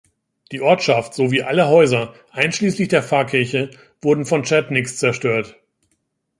Die Ortschaft, sowie alle Häuser, einschließlich der Pfarrkirche wurde von Tschetniks zerstört.